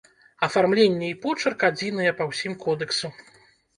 Афармленне і почырк адзіныя па ўсім кодэксу.